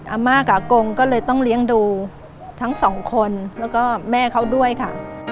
อาม่ากับอากงก็เลยต้องเลี้ยงดูทั้งสองคนแล้วก็แม่เขาด้วยค่ะ